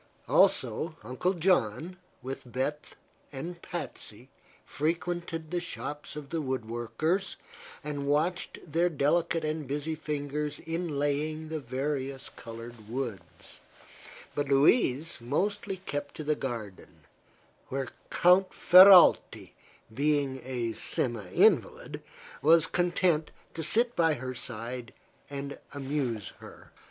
Also Uncle John, with Beth and Patsy, frequented the shops of the wood workers and watched their delicate and busy fingers inlaying the various colored woods; but Louise mostly kept to the garden, where Count Ferralti, being a semi invalid, was content to sit by her side and amuse her.